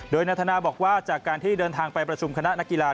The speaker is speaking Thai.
โดยนาธนาบอกว่าจากการที่เดินทางไปประชุมคณะนักกีฬา